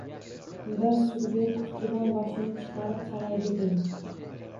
Bir surbet... qutidan boshini chiqarib qaraydi deng.